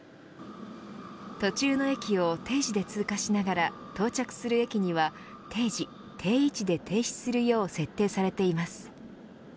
途中の駅を定時で通過しながら到着する駅には定時、定位置で停止するよう設定されています。